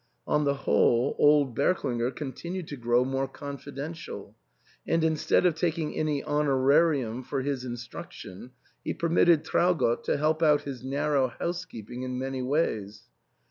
On the whole, old Berklinger oontinued to grow more confidential ; and instead of taking any honorarium for his instruction, he per mitted Traugott to help out his narrow house keeping in many ways.